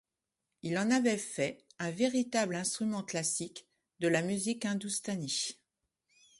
Il en avait fait un véritable instrument classique de la musique hindoustanie.